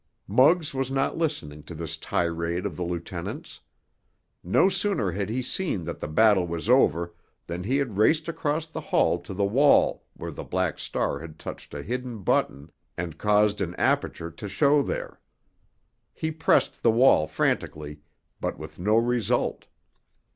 Muggs was not listening to this tirade of the lieutenant's. No sooner had he seen that the battle was over than he had raced across the hall to the wall where the Black Star had touched a hidden button and caused an aperture to show there. He pressed the wall frantically, but with no result.